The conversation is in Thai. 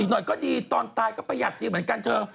หน่อยก็ดีตอนตายก็ประหยัดดีเหมือนกันเธอ